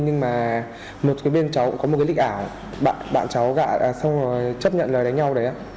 nhưng mà một cái bên cháu có một cái lịch ảo bạn cháu gạ xong rồi chấp nhận lời đánh nhau đấy ạ